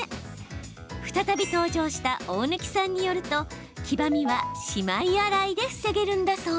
再び登場した大貫さんによると黄ばみはしまい洗いで防げるんだそう。